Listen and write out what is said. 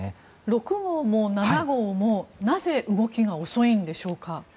６号も７号もなぜ動きが遅いんでしょうか。